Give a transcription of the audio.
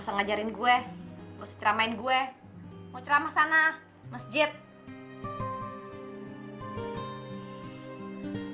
ngajarin gue ceramain gue mau ceramah sana masjid